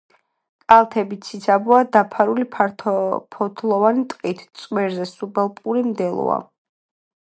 კალთები ციცაბოა, დაფარული ფართოფოთლოვანი ტყით; წვერზე სუბალპური მდელოა.